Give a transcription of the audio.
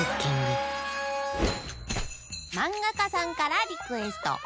まんがかさんからリクエスト。